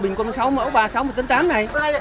bình quân sáu mẫu ba xóng một tấn tám này